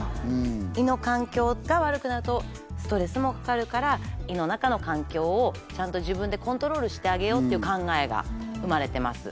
胃の環境が悪くなるとストレスもかかるから胃の中の環境をちゃんと自分でコントロールしてあげようっていう考えが生まれてます。